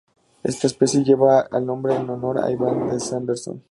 Esta especie lleva el nombre en honor a Ivan T. Sanderson.